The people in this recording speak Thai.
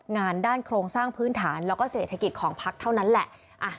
งานด้านโครงสร้างพื้นฐานแล้วก็เศรษฐกิจของพักเท่านั้นแหละ